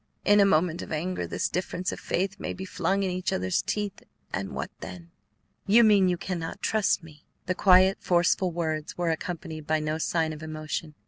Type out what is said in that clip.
In a moment of anger this difference of faith may be flung in each other's teeth, and what then?" "You mean you cannot trust me." The quiet, forceful words were accompanied by no sign of emotion.